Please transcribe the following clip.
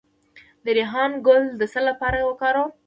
د ریحان ګل د څه لپاره وکاروم؟